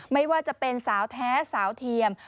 ไม่ว่าจะเป็นสาวแท้สาวเทียม